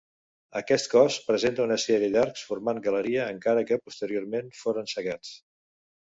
Aquest cos presenta una sèrie d'arcs formant galeria, encara que posteriorment foren cegats.